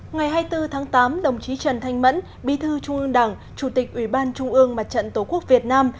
ngày hai mươi bốn tháng tám đồng chí trần thanh mẫn bí thư trung ương đảng chủ tịch ủy ban trung ương mặt trận tổ quốc việt nam